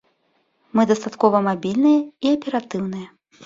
Мы дастаткова мабільныя і аператыўныя.